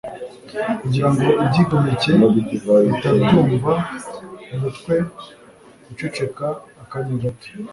kugira ngo ibyigomeke bitabyutsa umutwe guceceka akanya gato